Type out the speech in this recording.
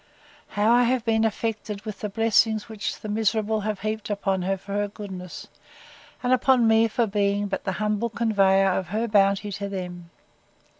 —How have I been affected with the blessings which the miserable have heaped upon her for her goodness, and upon me for being but the humble conveyer of her bounty to them!